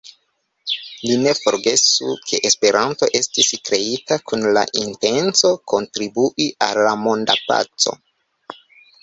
Ni ne forgesu, ke Esperanto estis kreita kun la intenco kontribui al monda paco.